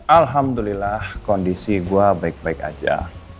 alhamdulillah kondisi gue baik baik aja